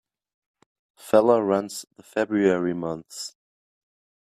Feller runs the February months.